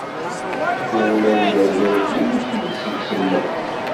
Ul ad yergagi, mačči seg semmiḍ.